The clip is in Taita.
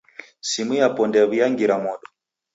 Simu yapo ndeyaw'iangira modo.